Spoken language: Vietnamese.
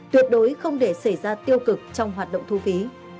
tuyệt đối không để xảy ra tiêu cực trong hoạt động thu phí